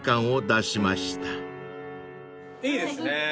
いいですね。